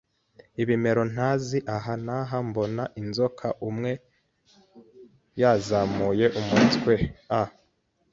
ibimera, ntazi; aha n'aha mbona inzoka, umwe yazamuye umutwe a